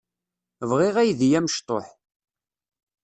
Bɣiɣ aydi amecṭuḥ.